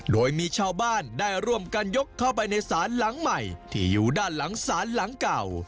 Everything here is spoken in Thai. โดยมีชาวบ้านได้ร่วมกันยกเข้าไปในศาลหลังใหม่ที่อยู่ด้านหลังศาลหลังเก่า